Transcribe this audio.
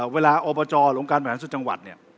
เวลาอปจหลงการประหลาดสุดจังหวัด